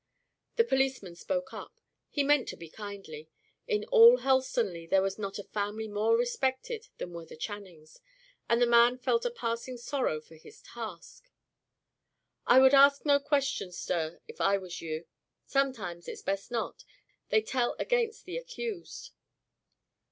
The policeman spoke up: he meant to be kindly. In all Helstonleigh there was not a family more respected than were the Channings; and the man felt a passing sorrow for his task. "I wouldn't ask no questions, sir, if I was you. Sometimes it's best not; they tell against the accused."